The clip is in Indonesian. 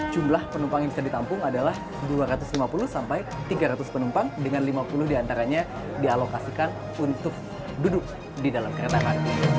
jumlah penumpang yang bisa ditampung adalah dua ratus lima puluh sampai tiga ratus penumpang dengan lima puluh diantaranya dialokasikan untuk duduk di dalam keretakan